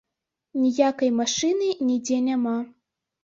Ніякай машыны нідзе няма.